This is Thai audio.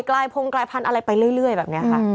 ลายพงกลายพันธุ์อะไรไปเรื่อยแบบนี้ค่ะ